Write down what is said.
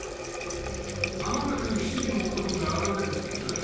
まもなく７時の男が現れる時間だ。